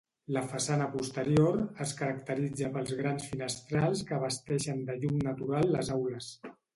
La façana posterior es caracteritza pels grans finestrals que abasteixen de llum natural les aules.